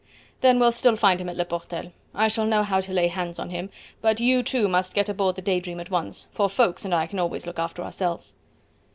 "Then we'll still find him at Le Portel I shall know how to lay hands on him; but you two must get aboard the Day Dream at once, for Ffoulkes and I can always look after ourselves."